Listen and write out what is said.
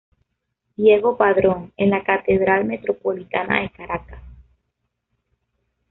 Diego Padrón en la Catedral Metropolitana de Caracas.